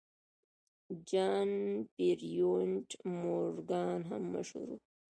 جان پیرپونټ مورګان هم مشهور و.